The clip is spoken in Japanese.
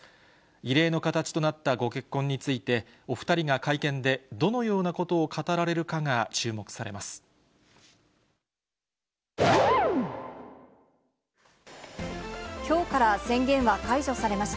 異例の形となったご結婚について、お２人が会見でどのようなことを語られるかが注目されます。